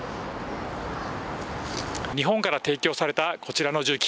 日本から提供されたこちらの重機。